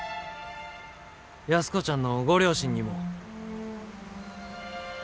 安子ちゃんのご両親にも。